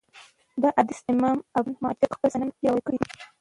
دا حديث امام ابن ماجه په خپل سنن کي روايت کړی دی .